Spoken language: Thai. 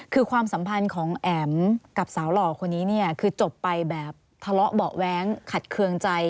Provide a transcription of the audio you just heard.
คือความสัมพันธ์ของแอ๋มกับสาวหล่อคนนี้เนี่ยคือจบไปแบบทะเลาะเบาะแว้งขัดเคืองใจ